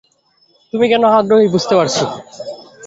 তুমি কেন আগ্রহী বুঝতে পারছি।